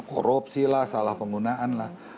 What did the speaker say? korupsi lah salah penggunaan lah